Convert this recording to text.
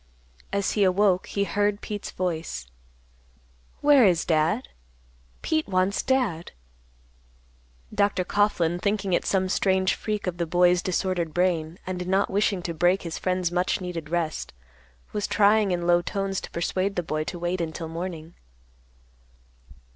As he awoke, he heard Pete's voice, "Where is Dad? Pete wants Dad." Dr. Coughlan, thinking it some strange freak of the boy's disordered brain, and not wishing to break his friend's much needed rest, was trying in low tones to persuade the boy to wait until morning.